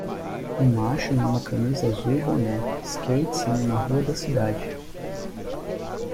O macho em uma camisa azul e boné skates em uma rua da cidade.